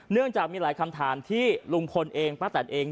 เนื่องจากมีหลายคำถามที่ลุงพลเองป้าแตนเอง